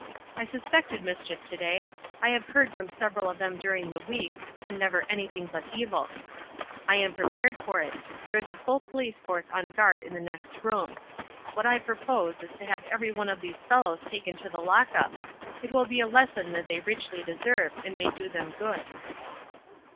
I suspected mischief to day. I have heard from several of them during the week, and never anything but evil. I am prepared for it; there is a full police force on guard in the next room; what I propose is to have every one of these fellows taken to the lock up. It will be a lesson that they richly deserve, and may do them good."